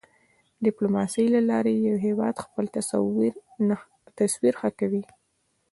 د ډیپلوماسی له لارې یو هېواد خپل تصویر ښه کوی.